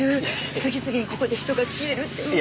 次々にここで人が消えるって噂が。